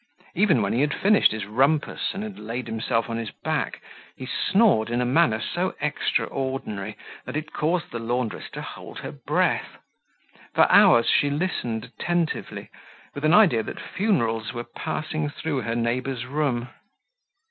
Even when he had finished his rumpus and had laid himself on his back, he snored in a manner so extraordinary that it caused the laundress to hold her breath. For hours she listened attentively, with an idea that funerals were passing through her neighbor's room.